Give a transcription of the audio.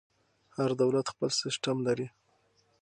هر دولت خپل سیسټم لري.